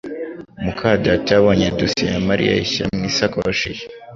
muka data yabonye dosiye ya Mariya ayishyira mu isakoshi ye